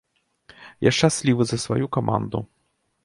Я шчаслівы за сваю каманду.